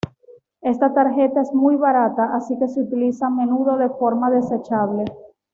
Esta tarjeta es muy barata así que se utiliza a menudo de forma "desechable".